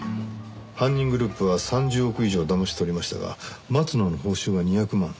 犯人グループは３０億以上だまし取りましたが松野の報酬は２００万。